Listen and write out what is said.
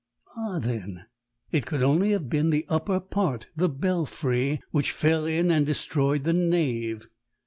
Ah, then, it could only have been the upper part the belfry which fell in and destroyed the nave.